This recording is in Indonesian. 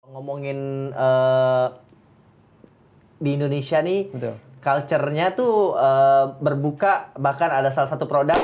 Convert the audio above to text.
ngomongin di indonesia nih culture nya tuh berbuka bahkan ada salah satu produk